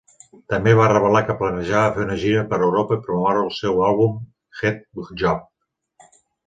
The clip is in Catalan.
També va revelar que planejava fer una gira per Europa i promoure el seu àlbum "Head Job".